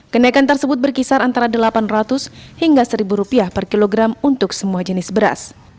kenaikan tersebut berkisar antara rp delapan ratus hingga rp satu per kilogram untuk semua jenis beras